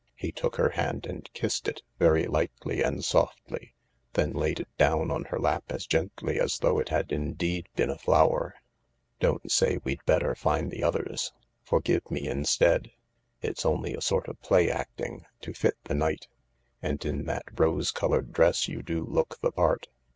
He took her hand and kissed it, very lightly and softly, then laid it down on her lap as gently as though it had indeed been a flower. "Don't say we'd better find the others. Forgive me instead. It's only a sort of play acting, to fit the night— and in that rose coloured dress you do so look the part.